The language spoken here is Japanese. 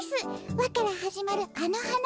「ワ」からはじまるあのはな